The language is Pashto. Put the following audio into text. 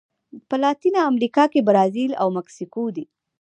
په لاتینه امریکا کې برازیل او مکسیکو دي.